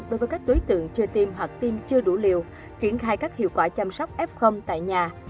đối với các đối tượng chưa tiêm hoặc tiêm chưa đủ liều triển khai các hiệu quả chăm sóc f tại nhà